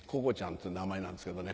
っつう名前なんですけどね。